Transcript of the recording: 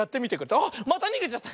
あっまたにげちゃった！